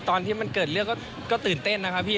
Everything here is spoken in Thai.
ตอนที่มันเกิดเรื่องก็ตื่นเต้นนะครับพี่